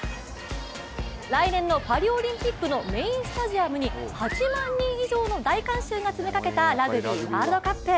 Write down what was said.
来年のパリオリンピックのメインスタジアムに８万人以上の大観衆が詰めかけたラグビーワールドカップ。